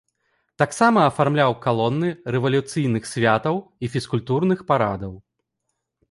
Таксама афармляў калоны рэвалюцыйных святаў і фізкультурных парадаў.